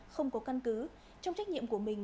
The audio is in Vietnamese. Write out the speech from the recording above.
không có căn cứ trong trách nhiệm của mình